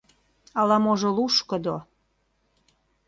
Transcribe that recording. Ала-можо лушкыдо.